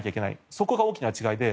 そこが大きな違いで